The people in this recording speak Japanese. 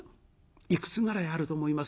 いくつぐらいあると思います？